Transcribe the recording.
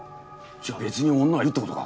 じゃあ別に女がいるってことか。